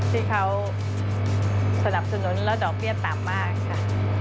ที่เขาสนับสนุนแล้วดอกเบี้ยต่ำมากค่ะ